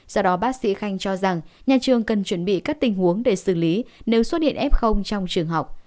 do đó bác sĩ khanh cho rằng nhà trường cần chuẩn bị các tình huống để xử lý nếu xuất hiện f trong trường học